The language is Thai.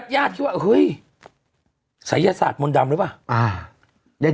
ญาติคิดว่าเฮ้ยศัยศาสตร์มนต์ดำหรือเปล่า